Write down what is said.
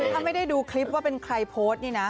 ถ้าไม่ได้ดูคลิปว่าเป็นใครโพสต์นี่นะ